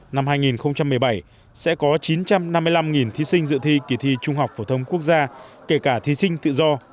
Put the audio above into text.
năm hai nghìn một mươi bảy sẽ có chín trăm năm mươi năm thí sinh dự thi kỳ thi trung học phổ thông quốc gia kể cả thí sinh tự do